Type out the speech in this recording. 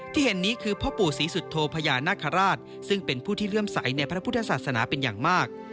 ที่เห็นนี้คือพ่อปู่ศรีสุโธพญานาคาราชซึ่งเป็นผู้ที่เลื่อมใสในพระพุทธศาสนาเป็นอย่างมาก